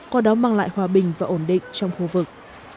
qua đó mang lại hòa bình và ổn định trong khu vực